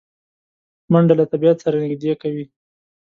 منډه له طبیعت سره نږدې کوي